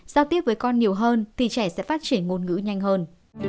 giao tiếp với con nhiều hơn thì trẻ sẽ phát triển ngôn ngữ nhanh hơn